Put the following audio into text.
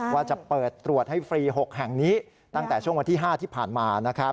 ว่าจะเปิดตรวจให้ฟรี๖แห่งนี้ตั้งแต่ช่วงวันที่๕ที่ผ่านมานะครับ